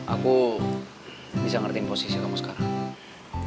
aku bisa ngertiin posisi kamu sekarang